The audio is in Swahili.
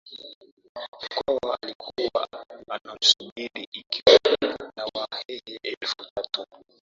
Mkwawa alikuwa anamsubiri akiwa na Wahehe elfu tatu